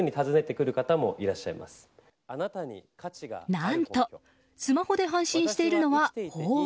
何とスマホで配信しているのは法話。